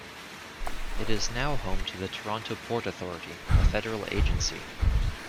It is now home to the Toronto Port Authority, a federal agency.